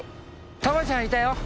たまちゃんいたよ。